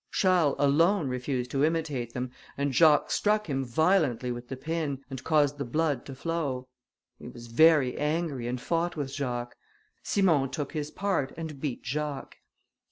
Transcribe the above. Charles alone refused to imitate them, and Jacques struck him violently with the pin, and caused the blood to flow. He was very angry, and fought with Jacques. Simon took his part, and beat Jacques.